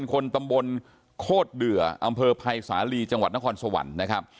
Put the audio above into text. คนตำบลโคตรเดืออำเภอภัยสาลีจังหวัดนครสวรรค์นะครับ